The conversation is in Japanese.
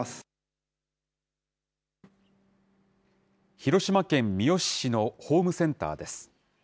広島県三次市のホームセンターです。